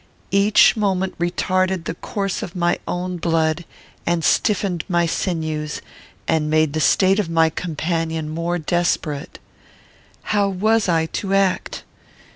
Each moment retarded the course of my own blood and stiffened my sinews, and made the state of my companion more desperate. How was I to act?